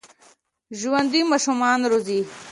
ژوندي ماشومان روزي